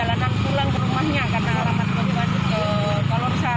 karena orang orang ke kolor sakit